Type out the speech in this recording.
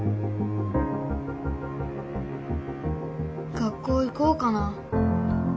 学校行こうかな。